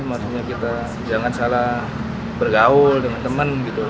maksudnya kita jangan salah bergaul dengan teman gitu